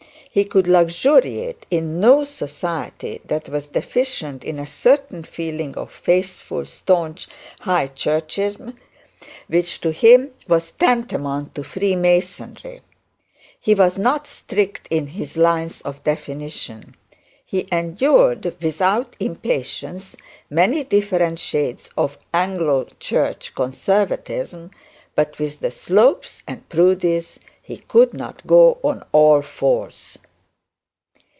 He could luxuriate in no society that was deficient in a certain feeling of faithful staunch high churchism, which to him was tantamount to freemasonry. He was not strict in his lines of definition. He endured without impatience many different shades of Anglo church conservatism; but with the Slopes and Proudies he could not go on all fours.